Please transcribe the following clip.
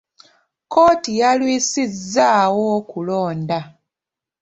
kkooti yalwisizzaawo okulonda.